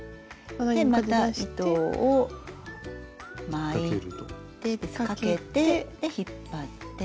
また糸を巻いて引っかけて引っ張って。